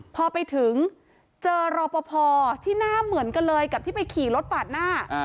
พอไปถึงเจอรอปภที่หน้าเหมือนกันเลยกับที่ไปขี่รถปาดหน้า